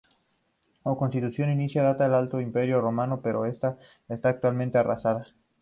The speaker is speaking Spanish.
Su construcción inicial data del Alto Imperio Romano, pero esta está actualmente arrasada.